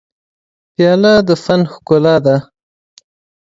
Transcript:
پیاله د فن ښکلا ده.